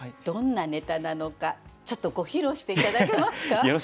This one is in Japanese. どんなネタなのかちょっとご披露して頂けますか？